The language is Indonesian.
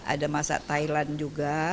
ada masak thailand juga